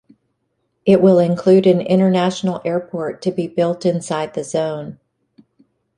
It will include an international airport to be built inside the zone.